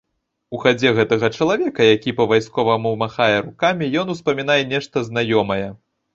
У хадзе гэтага чалавека, які па-вайсковаму махае рукамі, ён успамінае нешта знаёмае.